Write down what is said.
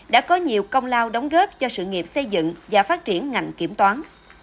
đã có nhiều công lao đóng góp cho sự nghiệp xây dựng và phát triển ngành kiểm toán